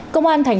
công an tp vinh